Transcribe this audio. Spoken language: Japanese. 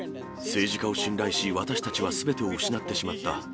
政治家を信頼し、私たちはすべてを失ってしまった。